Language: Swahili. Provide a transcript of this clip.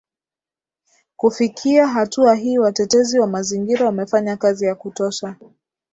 Kufikia hatua hii watetezi wa mazingira wamefanya kazi ya kutosha